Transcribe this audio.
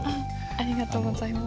ありがとうございます。